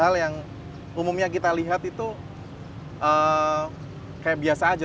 hal yang umumnya kita lihat itu kayak biasa aja